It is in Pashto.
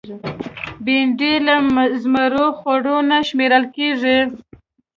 بېنډۍ له زمرو خوړو نه شمېرل کېږي